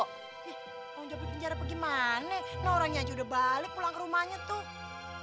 eh tanggung jawab di penjara apa gimana nah orangnya aja udah balik pulang ke rumahnya tuh